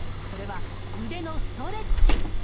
それは「腕のストレッチ」。